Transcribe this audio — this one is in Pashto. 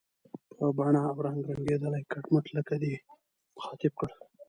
په بڼه او رنګ رنګېدلی، کټ مټ لکه دی، مخاطب کړ.